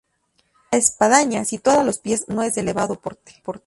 La espadaña, situada a los pies, no es de elevado porte.